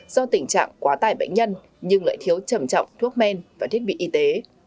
do tình trạng quá tải bệnh nhân nhưng lại thiếu trầm trọng thuốc men và thiết bị y tế